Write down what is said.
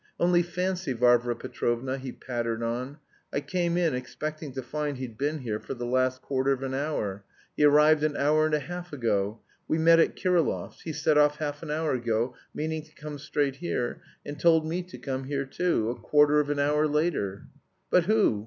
"... Only fancy, Varvara Petrovna," he pattered on, "I came in expecting to find he'd been here for the last quarter of an hour; he arrived an hour and a half ago; we met at Kirillov's: he set off half an hour ago meaning to come straight here, and told me to come here too, a quarter of an hour later...." "But who?